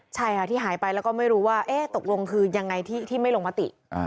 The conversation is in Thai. ใช่ค่ะที่หายไปแล้วก็ไม่รู้ว่าตกลงคือยังไงที่ไม่ลงมติ